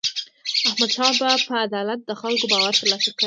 احمدشاه بابا په عدالت د خلکو باور ترلاسه کړ.